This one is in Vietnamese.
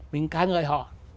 mình ca ngợi họ